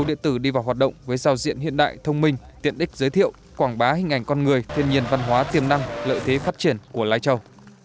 điện tử đi vào hoạt động với sao diện hiện đại thông minh tiện đích giới thiệu quảng bá hình ảnh con người thiên nhiên văn hóa tiềm năng lợi thế phát triển của lai châu